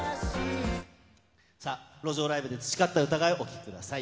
路上ライブで培った歌声をお聴きください。